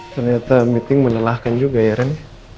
ternyata meeting menelahkan juga ya ren